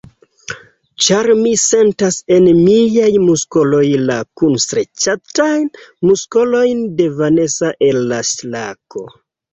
Ĉar mi sentas en miaj muskoloj la kunstreĉatajn muskolojn de Vanesa en la ŝranko.